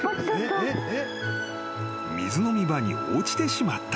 ［水飲み場に落ちてしまった］